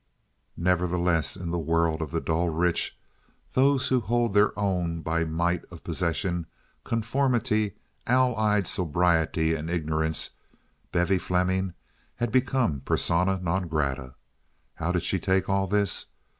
Nevertheless, in the world of the dull rich—those who hold their own by might of possession, conformity, owl eyed sobriety, and ignorance—Bevy Fleming had become persona non grata. How did she take all this?